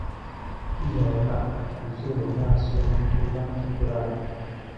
Kwiyahura byuzuye mu maraso yo mu cyumba cyo kuraramo,